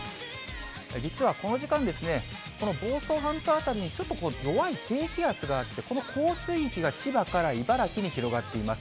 実はこの時間、この房総半島辺りにちょっと弱い低気圧があって、この降水域が千葉から茨城に広がっています。